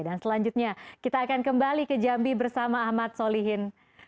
dan selanjutnya kita akan kembali ke jambi bersama ahmad solihin